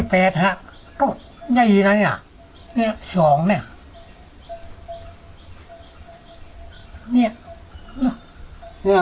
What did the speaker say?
เพราะฉะนั้นนึกออกไม่ได้ยินอ่ะ